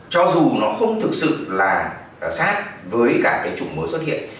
cho dù nó không thực sự là sát với cả cái chủng mới xuất hiện